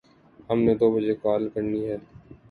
ہم نے دو بجے کال کرنی ہے